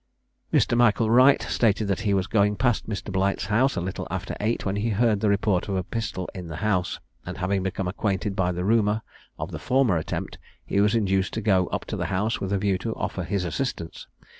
Mr. Michael Wright stated that he was going past Mr. Blight's house a little after eight, when he heard the report of a pistol in the house; and having become acquainted by the rumour of the former attempt, he was induced to go up to the house with a view to offer his assistance.